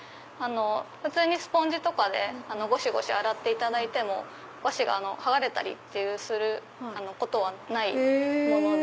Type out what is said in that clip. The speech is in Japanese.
普通にスポンジとかでごしごし洗っていただいても和紙が剥がれたりすることはないもので。